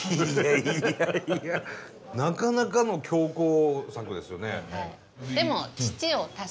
いやいやなかなかの強行策ですよね。